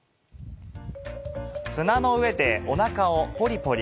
砂の上でお腹をポリポリ。